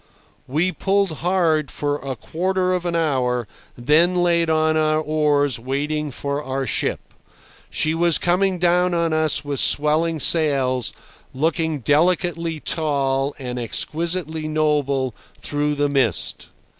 We pulled hard for a quarter of an hour, then laid on our oars waiting for our ship. She was coming down on us with swelling sails, looking delicately tall and exquisitely noble through the mist.